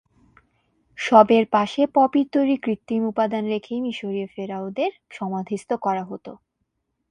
শবের পাশে পপির তৈরি কৃত্রিম উপাদান রেখে মিশরীয় ফেরাওদের সমাধিস্থ করা হতো।